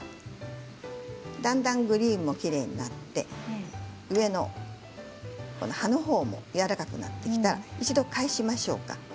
だんだんグリーンもきれいになって上の葉のほうもやわらかくなってきたら一度、返しましょうか。